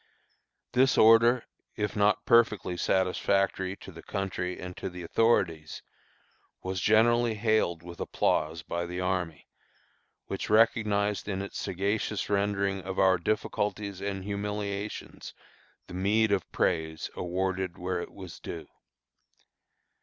This order, if not perfectly satisfactory to the country and to the authorities, was generally hailed with applause by the army, which recognized in its sagacious rendering of our difficulties and humiliations the meed of praise awarded where it was due.